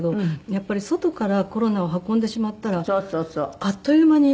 やっぱり外からコロナを運んでしまったらあっという間に。